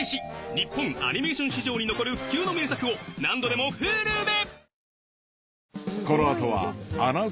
日本アニメーション史上に残る不朽の名作を何度でもＨｕｌｕで！